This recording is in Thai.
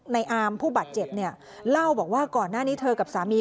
อามผู้บาดเจ็บเนี่ยเล่าบอกว่าก่อนหน้านี้เธอกับสามี